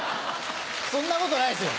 そんなことないですよ